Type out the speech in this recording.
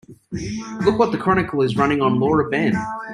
Look what the Chronicle is running on Laura Ben.